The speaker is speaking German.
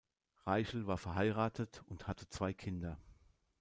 Reichel war verheiratet und hatte zwei Kinder.